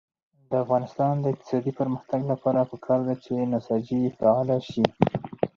د افغانستان د اقتصادي پرمختګ لپاره پکار ده چې نساجي فعاله شي.